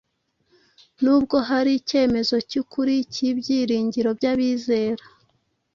Nubwo hari icyemezo cy’ukuri cy’ibyiringiro by’abizera,